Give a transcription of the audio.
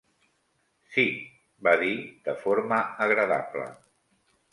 "Sí", va dir de forma agradable.